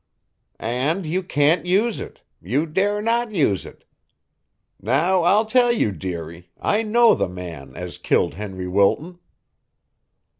"And you can't use it you dare not use it. Now I'll tell you, dearie, I know the man as killed Henry Wilton."